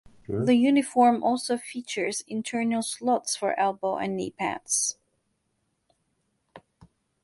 The uniform also features internal slots for elbow and knee pads.